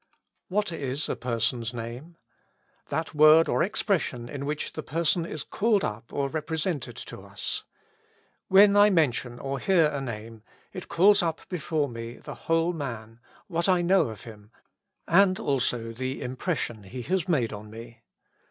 What is a person's name ? That word or expression in which the person is called up or represented to us. When I mention or hear a name, it calls up before me the whole man, what I know of him, and also the im pression he has made on me.